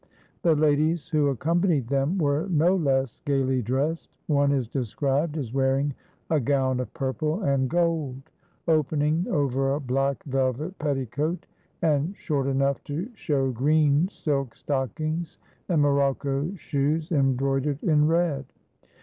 The ladies who accompanied them were no less gaily dressed. One is described as wearing a gown of purple and gold, opening over a black velvet petticoat and short enough to show green silk stockings and morocco shoes embroidered in red.